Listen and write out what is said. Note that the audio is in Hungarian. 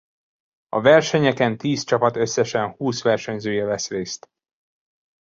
A versenyeken tíz csapat összesen húsz versenyzője vesz részt.